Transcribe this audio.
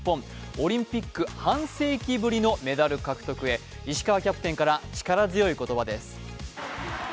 オリンピック半世紀ぶりのメダル獲得へ、石川キャプテンから力強い言葉です。